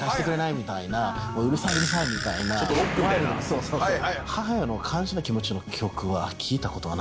そうそうそう。